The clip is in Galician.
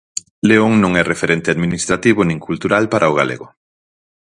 León non é referente administrativo nin cultural para o galego.